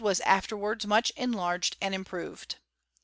was afterwards much enlarged and improved.